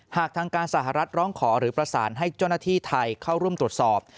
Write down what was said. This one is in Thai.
หากทางการสหรัฐร้องขอหรือประสานให้เจ้าหน้าที่ไทยเข้าร่วมตรวจสอบ